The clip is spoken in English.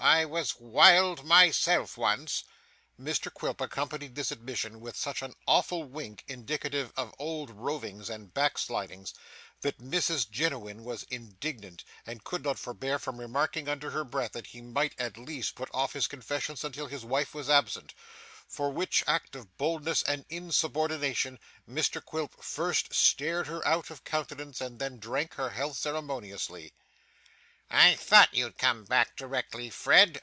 I was wild myself once.' Mr Quilp accompanied this admission with such an awful wink, indicative of old rovings and backslidings, that Mrs Jiniwin was indignant, and could not forbear from remarking under her breath that he might at least put off his confessions until his wife was absent; for which act of boldness and insubordination Mr Quilp first stared her out of countenance and then drank her health ceremoniously. 'I thought you'd come back directly, Fred.